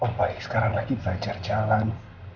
mumbaik sekarang lagi belajar jalan